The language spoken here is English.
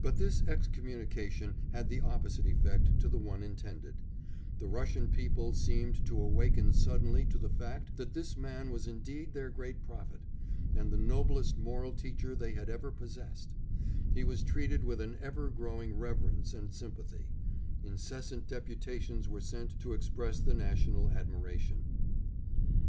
But this excommunication had the opposite effect to the one intended; the Russian people seemed to awaken suddenly to the fact that this man was indeed their great prophet, and the noblest moral teacher they had ever possessed; he was treated with an ever growing reverence and sympathy; incessant deputations were sent to express the national admiration.